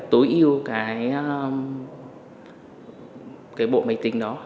tối ưu cái bộ máy tính đó